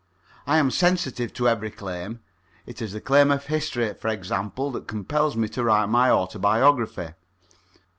I am sensitive to every claim. It is the claim of history, for example, that compels me to write my autobiography.